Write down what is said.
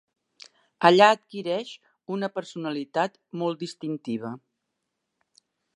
Allà adquireix una personalitat molt distintiva.